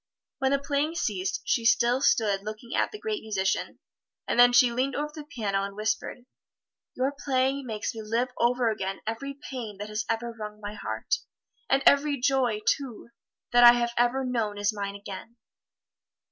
When the playing ceased, she still stood looking at the great musician, and then she leaned over the piano and whispered, "Your playing makes me live over again every pain that has ever wrung my heart; and every joy, too, that I have ever known is mine again."